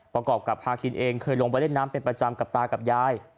ประกอบกับพาคินเองเคยลงไปเล่นน้ำเป็นประจำกับตากับยาย